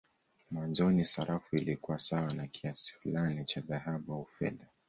Mwanzoni sarafu ilikuwa sawa na kiasi fulani cha dhahabu au fedha.